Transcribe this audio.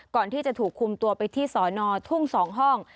ก่อนที่จะถูกคุมตัวไปที่สอนอทุ่ง๒ห้อง